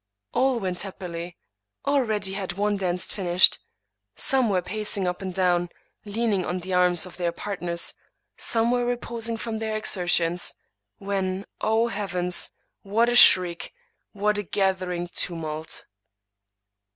All went happily. Already had one dance finished ; some were pacing up and down, leaning on the arms of their partners; some were reposing from their exertions; when — O heavens! what a shriek ! what a gathering tumult